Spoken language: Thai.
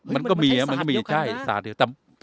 มันก็มีนะมันก็มีใช่มันใช้สารเดียวกันนะสารเดียวกัน